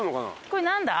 これ何だ？